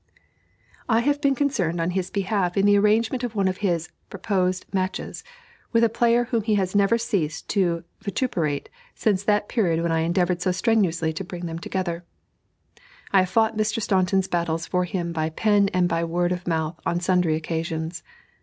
I have been concerned on his behalf in the arrangement of one of his (proposed) matches, with a player whom he has never ceased to vituperate since that period when I endeavored so strenuously to bring them together. I have fought Mr. Staunton's battles for him by pen and by word of mouth on sundry occasions.